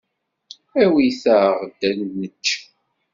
Awit-aɣ-d ad nečč.